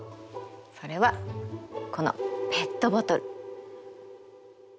それはこのペットボトル。